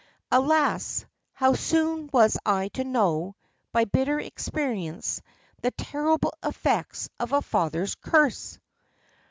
Alas, how soon was I to know, by bitter experience, the terrible effects of a father's curse!